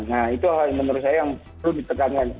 nah itu menurut saya yang perlu ditekankan